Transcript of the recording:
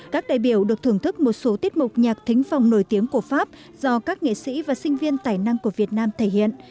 các đại biểu được thưởng thức một số tiết mục nhạc thính phòng nổi tiếng của pháp do các nghệ sĩ và sinh viên tài năng của việt nam thể hiện